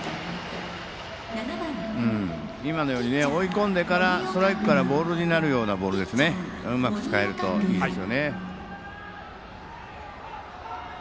今のように追い込んでからストライクからボールになるようなボールをうまく使えるといいですね。